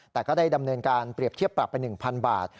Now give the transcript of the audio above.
แต่ก็ได้ดำเนินการเปรียบเทียบปรับไป๑๐๐บาท